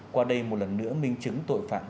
qua đây một lần nữa minh chứng tội phạm